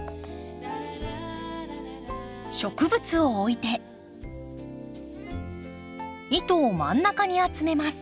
植物を置いて糸を真ん中に集めます。